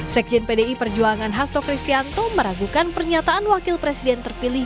sekjen pdi perjuangan hasto kristianto meragukan pernyataan wakil presiden terpilih